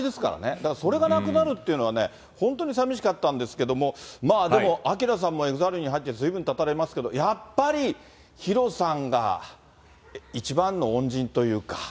だからそれがなくなるっていうのはね、本当にさみしかったんですけども、でもＡＫＩＲＡさんもＥＸＩＬＥ入ってずいぶんたたれますけど、やっぱりＨＩＲＯさんが一番の恩人というか。